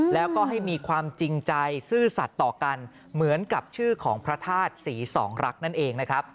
แล้วก็ให้มีความจริงใจซื่อสัตว์ต่อกันเหมือนกับชื่อของพระธาตุศรีสองรักนั่นเองนะครับ